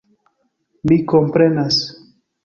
Mi komprenas.